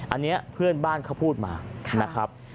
อันนี้เพื่อนบ้านเขาพูดมานะครับ